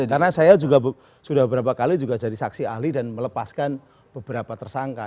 karena saya juga sudah beberapa kali jadi saksi ahli dan melepaskan beberapa tersangka